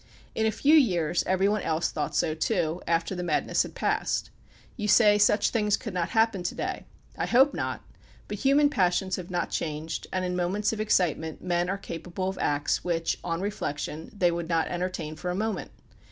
In a few years every one else thought so, too, after the madness had passed. You say such things could not happen to day. I hope not, but human passions have not changed, and in moments of excite ment men are capable of acts which, on reflection, they would not entertain for a moment.